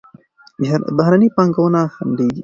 بهرني پانګونه خنډېږي.